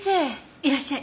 いらっしゃい。